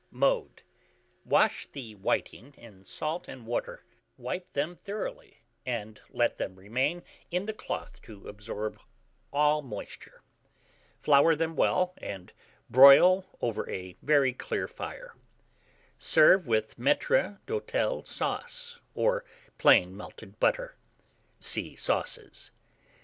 Mode. Wash the whiting in salt and water, wipe them thoroughly, and let them remain in the cloth to absorb all moisture. Flour them well, and broil over a very clear fire. Serve with maître d'hôtel sauce, or plain melted butter (see Sauces).